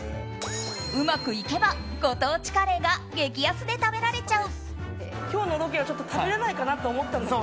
うまくいけば、ご当地カレーが激安で食べられちゃう。